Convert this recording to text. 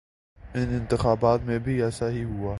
ان انتخابات میں بھی ایسا ہی ہوا۔